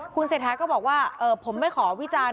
คุณเศรษฐาก็บอกว่าผมไม่ขอวิจารณ์